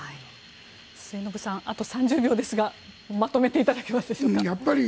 末延さんあと３０秒ですがまとめていただけますでしょうか。